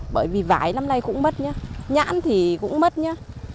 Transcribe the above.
bởi vì vái năm nay cũng mất nhá nhãn thì cũng mất nhá